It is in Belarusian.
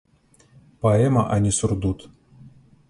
Паэма, а не сурдут.